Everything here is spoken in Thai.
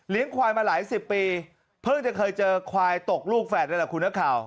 ควายมาหลายสิบปีเพิ่งจะเคยเจอควายตกลูกแฝดนี่แหละคุณนักข่าว